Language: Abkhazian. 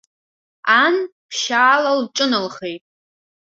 Ан ԥшьаала лҿыналхеит.